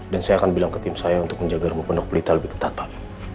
dan saya akan bilang ke tim saya untuk menjaga rumah pendok belita lebih ketat pak